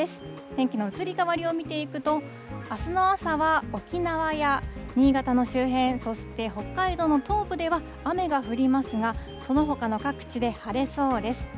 天気の移り変わりを見ていくと、あすの朝は沖縄や新潟の周辺、そして北海道の東部では、雨が降りますが、そのほかの各地で晴れそうです。